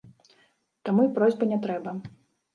Таму й просьбы не трэба.